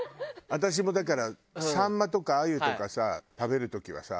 私もだからサンマとか鮎とかさ食べる時はさ。